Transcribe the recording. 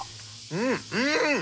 うんうん！